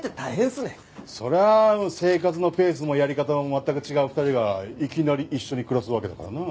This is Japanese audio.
そりゃあ生活のペースもやり方も全く違う２人がいきなり一緒に暮らすわけだからな。